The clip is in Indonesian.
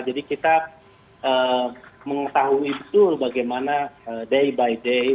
jadi kita mengetahui itu bagaimana day by day